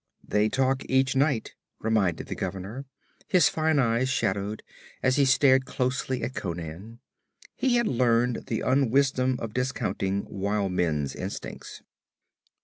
'They talk each night,' reminded the governor, his fine eyes shadowed, as he stared closely at Conan. He had learned the unwisdom of discounting wild men's instincts.